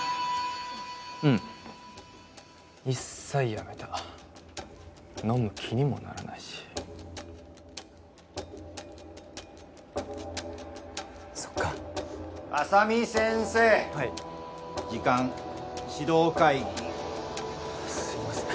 うん一切やめた飲む気にもならないしそっか浅見先生はい時間指導会議すいません